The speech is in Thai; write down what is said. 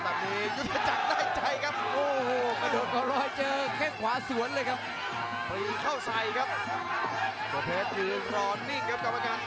ประเภทมัยยังอย่างปักส่วนขวา